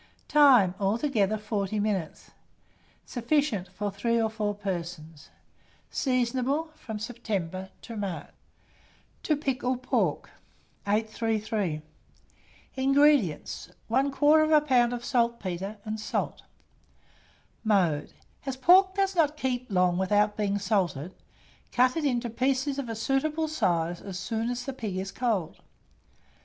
Time. Altogether 40 minutes. Sufficient for 3 or 4 persons. Seasonable from September to March. TO PICKLE PORK. 833. INGREDIENTS. 1/4 lb. of saltpetre; salt. Mode. As pork does not keep long without being salted, cut it into pieces of a suitable size as soon as the pig is cold.